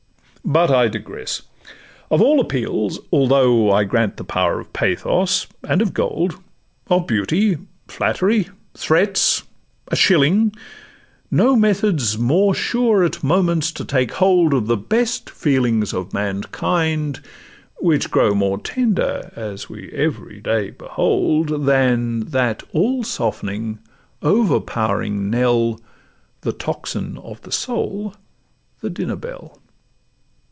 But I digress: of all appeals,—although I grant the power of pathos, and of gold, Of beauty, flattery, threats, a shilling,—no Method 's more sure at moments to take hold Of the best feelings of mankind, which grow More tender, as we every day behold, Than that all softening, overpowering knell, The tocsin of the soul—the dinner bell.